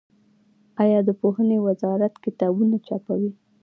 آیا د پوهنې وزارت کتابونه چاپوي؟